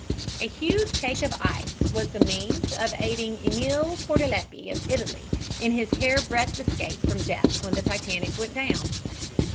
'" A huge cake of ice was the means of aiding Emile Portaleppi, of Italy, in his hairbreadth escape from death when the Titanic went down.